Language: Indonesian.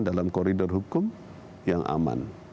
dalam koridor hukum yang aman